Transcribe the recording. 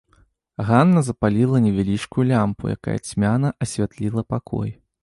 Ганна запаліла невялічкую лямпу, якая цьмяна асвятліла пакой.